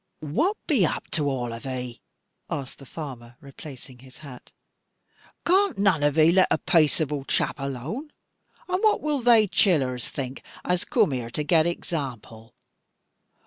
"Wutt be up to, arl on 'e?" asked the farmer, replacing his hat; "cas'n none on 'e lat a pacible chap alo un? And wutt will they chillers think as coom here to get example?